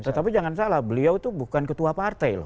tetapi jangan salah beliau itu bukan ketua partai loh